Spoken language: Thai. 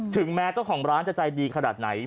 ถึงแม้เจ้าของร้านจะใจดีขนาดไหน